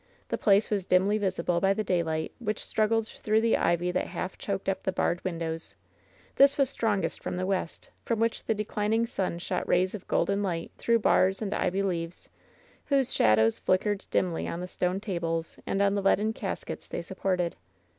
The place was dimly visible by the daylight which struggled through the ivy that half choked up the barred windows. This was strongest from the west, from which the declining sun shot rays of golden light through bars and ivy leaves, whose shadows flickered dimly on the stone tables and on the leaden caskets they supported.